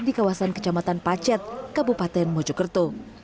di kawasan kejamatan pacet kabupaten bojokerto